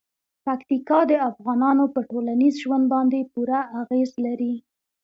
پکتیکا د افغانانو په ټولنیز ژوند باندې پوره اغېز لري.